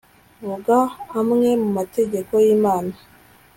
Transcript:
Vuga amwe mu mategeko y’Imana